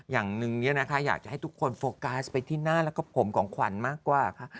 อย่างหนึ่งเนี่ยนะคะอยากจะให้ทุกคนโฟกัสไปที่หน้าแล้วก็ผมของขวัญมากกว่าค่ะ